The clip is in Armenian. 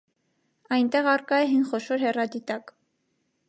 Այնտեղ առկա է հին խոշոր հեռադիտակ։